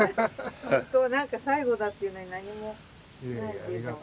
ほんとなんか最後だっていうのに何もないっていうのは。